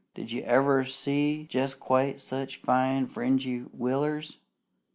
Did you ever see jest quite such fine fringy willers?